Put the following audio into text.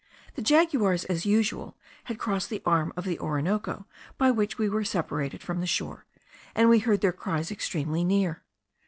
The jaguars, as usual, had crossed the arm of the Orinoco by which we were separated from the shore, and we heard their cries extremely near.